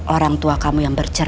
orang tua kamu yang bercerita